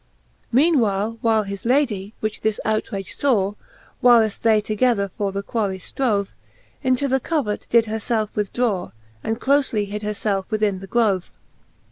XX. Meane while his Ladie, which this outrage iavv, Whiileft they together for the quarrey flrrove. Into the covert did her felfe withdraw. And clofely hid her felfe within the grove.